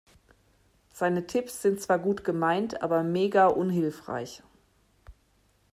Seine Tipps sind zwar gut gemeint aber mega unhilfreich.